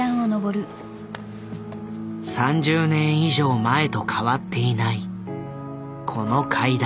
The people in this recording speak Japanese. ３０年以上前と変わっていないこの階段。